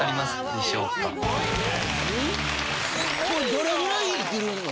どれぐらい生きるの？